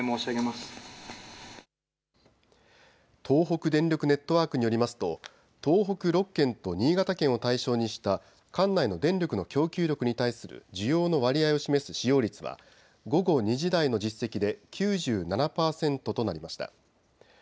東北電力ネットワークによりますと東北６県と新潟県を対象にした管内の電力の供給力に対する需要の割合を示す使用率は午後２時台の実績で９７％となりました。